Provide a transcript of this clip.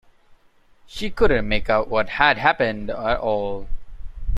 She couldn’t make out what had happened at all.